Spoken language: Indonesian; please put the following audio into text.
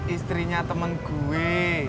istrinya temen gue